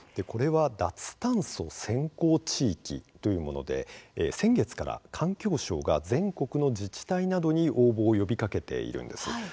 これは脱炭素先行地域というもので先月から環境省が全国の自治体などに応募を呼びかけているんです。